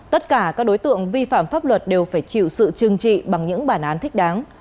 tất cả các đối tượng vi phạm pháp luật đều phải chịu sự trừng trị bằng những bản án thích đáng